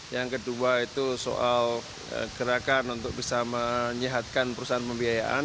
yang kedua itu soal gerakan untuk bisa menyehatkan perusahaan pembiayaan